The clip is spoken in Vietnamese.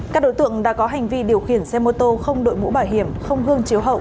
các đối tượng đã có hành vi điều khiển xe mô tô không đội mũ bảo hiểm không gương chiếu hậu